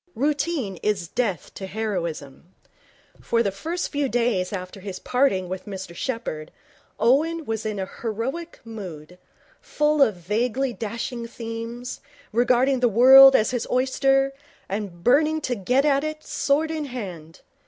Routine is death to heroism. For the first few days after his parting with Mr Sheppherd, Owen was in heroic mood, full of vaguely dashing schemes, regarding the world as his oyster, and burning to get at it, sword in hand.